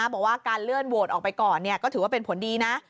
บอกว่าการเลื่อนโหวตออกไปก่อนก็ถือว่าเป็นผลดีนะ